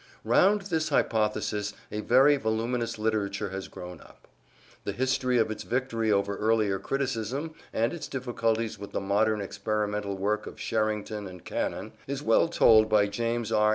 Round this hypothesis a very voluminous literature has grown up. The history of its victory over earlier criticism, and its difficulties with the modern experimental work of Sherrington and Cannon, is well told by James R.